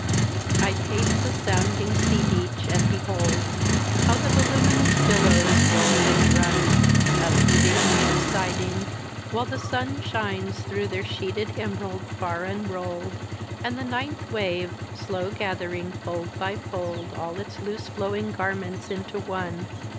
I pace the sounding sea beach and behold How the voluminous billows roll and run. Upheaving and subsiding, while the sim Shines through their sheeted emerald far unrolled. And the ninth wave, slow gathering fold by fold All its loose flowing garments into one.